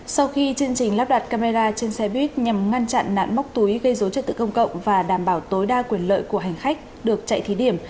sau khi chương trình lắp đặt camera trên xe buýt nhằm ngăn chặn nạn móc túi gây dối trật tự công cộng và đảm bảo tối đa quyền lợi của hành khách được chạy thí điểm